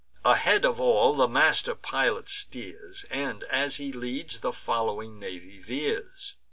Ahead of all the master pilot steers; And, as he leads, the following navy veers.